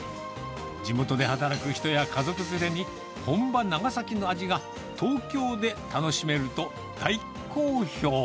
地元で働く人や家族連れに、本場、長崎の味が東京で楽しめると、大好評。